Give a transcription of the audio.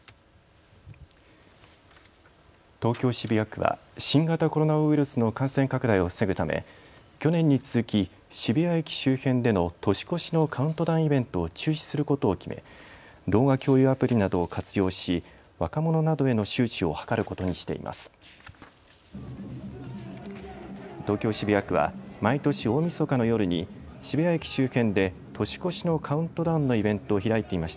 東京渋谷区は新型コロナウイルスの感染拡大を防ぐため去年に続き、渋谷駅周辺での年越しのカウントダウンイベントを中止することを決め動画共有アプリなどを活用し、若者などへの周知を図ることにしています。